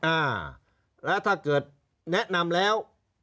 อ่าแล้วถ้าเกิดแนะนำแล้ว